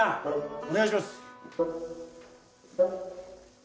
お願いします